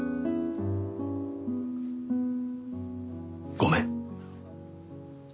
ごめん。